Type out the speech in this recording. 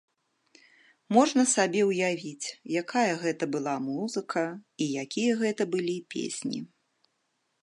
Можна сабе ўявіць, якая гэта была музыка і якія гэта былі песні!